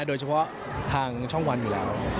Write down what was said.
โดยเฉพาะทางช่องวันอยู่แล้ว